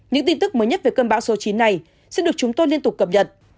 những tin tức mới nhất về cơn bão số chín này sẽ được chúng tôi liên tục cập nhật